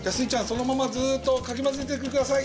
そのままずっとかきまぜててください。